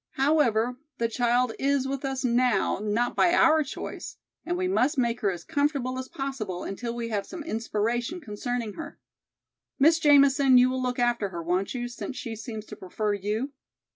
However, the child is with us now not by our choice, and we must make her as comfortable as possible until we have some inspiration concerning her. Miss Jamison, you will look after her, won't you, since she seems to prefer you?"